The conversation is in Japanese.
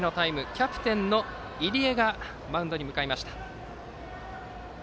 キャプテンの入江がマウンドに向かいました。